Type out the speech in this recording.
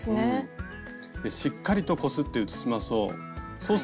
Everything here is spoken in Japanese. しっかりとこすって写しましょう。